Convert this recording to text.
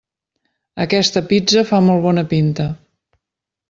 Aquesta pizza fa molt bona pinta.